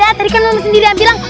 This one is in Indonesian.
ya tadi kan mams sendiri yang bilang